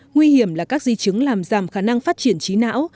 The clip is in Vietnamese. nguy hiểm là các di chứng làm giảm khả năng phát triển trí não